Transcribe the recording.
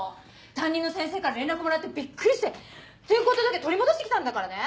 担任の先生から連絡もらってビックリして転校届取り戻して来たんだからね。